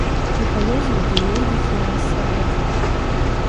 Иҟалозар, дырҩагьых иаасараӡа.